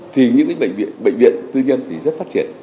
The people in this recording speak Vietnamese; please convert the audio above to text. thì những bệnh viện tư nhân thì rất phát triển